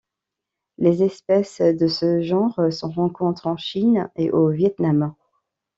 Les espèces de ce genre se rencontrent en Chine et au Viêt Nam.